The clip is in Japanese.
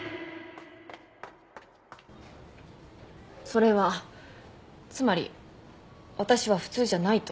それはつまり私は普通じゃないと？